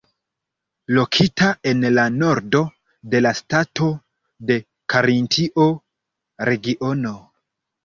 Lokita en la nordo de la stato de Karintio regiono.